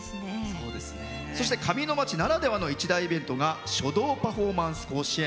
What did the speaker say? そして、紙のまちならではの一大イベントが書道パフォーマンス甲子園。